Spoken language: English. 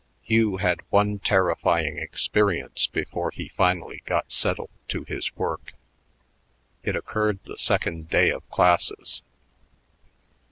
Hugh had one terrifying experience before he finally got settled to his work. It occurred the second day of classes.